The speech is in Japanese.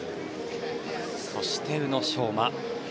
そして、宇野昌磨。